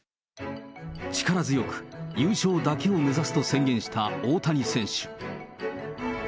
力強く優勝だけを目指すと宣言した大谷選手。